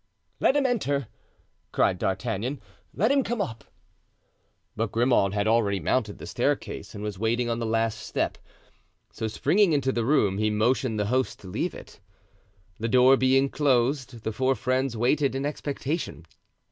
"Let him enter," cried D'Artagnan; "let him come up." But Grimaud had already mounted the staircase and was waiting on the last step; so springing into the room he motioned the host to leave it. The door being closed, the four friends waited in expectation.